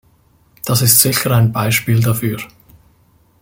Das ist sicher ein Beispiel dafür.